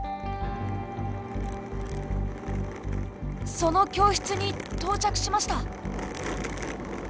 その教室に到着しました。